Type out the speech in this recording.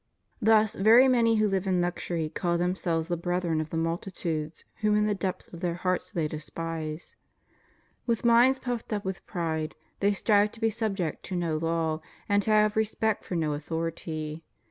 Thus very many who live in luxury call themselves the breth ren of the multitudes whom in the depths of their heart* they despise. With minds puffed up with pride, they strive to be subject to no law and to have respect for no authority.